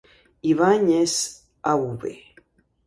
Ibáñez, Av.